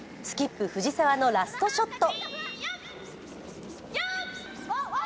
スキップ・藤澤のラストショット。